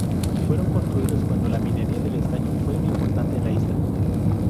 Fueron construidos cuando la minería del estaño fue un importante en la isla.